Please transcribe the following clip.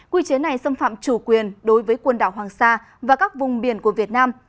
quy chế này xâm phạm chủ quyền đối với quần đảo hoàng sa và các vùng biển của việt nam